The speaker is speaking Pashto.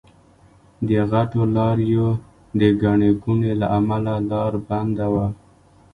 د غټو لاريو د ګڼې ګوڼې له امله لار بنده وه.